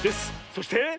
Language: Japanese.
そして。